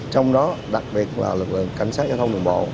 trong đó đặc biệt là lực lượng cảnh sát giao thông đường bộ